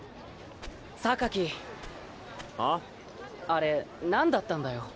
あれ何だったんだよ？